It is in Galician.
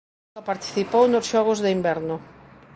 Nunca participou nos Xogos de Inverno.